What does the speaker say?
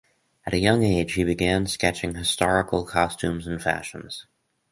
At a young age he began sketching historical costumes and fashions.